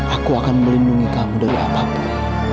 aku akan melindungi kamu dari apapun